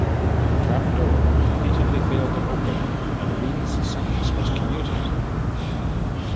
The trap door repeatedly failed to open and Lee's sentence was commuted.